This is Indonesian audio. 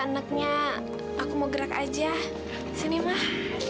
anaknya aku mau gerak aja sini mah